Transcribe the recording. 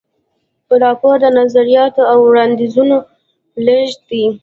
راپور د نظریاتو او وړاندیزونو لیږد دی.